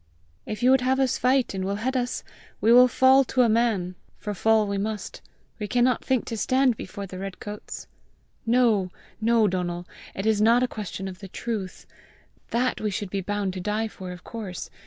If you would have us fight, and will head us, we will fall to a man for fall we must; we cannot think to stand before the redcoats." "No, no, Donal! It is not a question of the truth; that we should be bound to die for, of course.